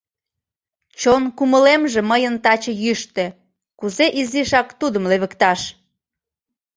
Чон кумылемже мыйын таче йӱштӧ, Кузе изишак тудым левыкташ?